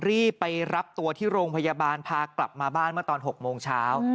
รีบไปรับตัวที่โรงพยาบาลพากลับมาบ้านเมื่อตอน๖โมงเช้า